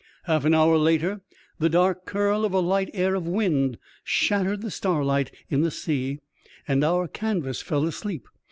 Half an hour later, the dark curl of a light air of wind shattered the starlight in the sea, and our canvas fell asleep.